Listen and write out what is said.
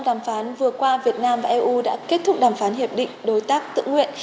đàm phán vừa qua việt nam và eu đã kết thúc đàm phán hiệp định đối tác tự nguyện